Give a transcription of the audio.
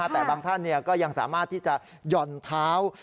แต่บางท่านก็ยังสามารถที่จะหย่อนเท้า